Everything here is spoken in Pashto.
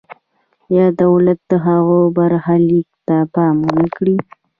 یا دولت د هغوی برخلیک ته پام ونکړي.